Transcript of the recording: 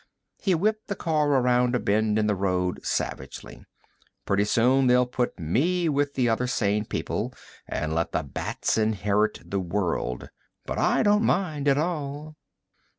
He whipped the car around a bend in the road savagely. "Pretty soon they'll put me with the other sane people and let the bats inherit the world. But I don't mind at all."